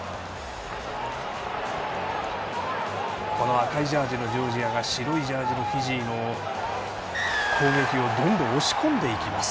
この赤いジャージのジョージアが白いジャージのフィジーの攻撃をどんどん押し込んでいきます。